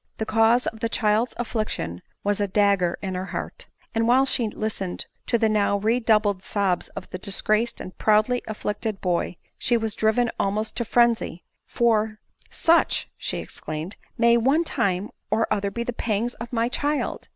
The cause of the child's affliction was a dagger in her heart ; and, while she listened to the now redoubled sobs of the disgraced and proudly afflicted boy, she was driven almost to frenzy ; for " Such," she exclaimed, lt may one time or other be the pangs of my child